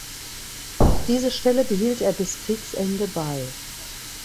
Diese Stelle behielt er bis Kriegsende bei.